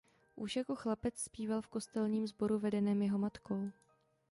Už jako chlapec zpíval v kostelním sboru vedeném jeho matkou.